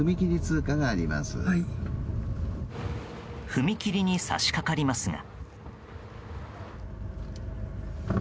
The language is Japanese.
踏切に差し掛かりますが。